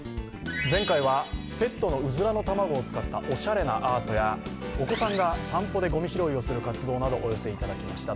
前回はペットのうずらの卵を使ったおしゃれなアートや、お子さんが散歩でごみ拾いをする活動などをお寄せいただきました。